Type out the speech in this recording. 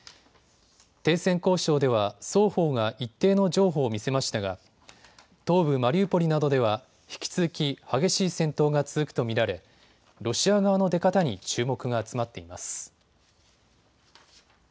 停戦交渉では双方が一定の譲歩を見せましたが東部マリウポリなどでは引き続き激しい戦闘が続くと見られロシア側の出方に注目が集まっています。